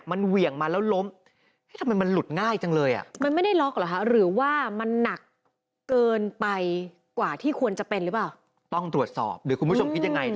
มันเวี่ยงมาแล้วล้ม